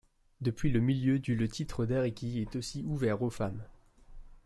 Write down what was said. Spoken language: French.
Depuis le milieu du le titre d'Ariki est aussi ouvert aux femmes.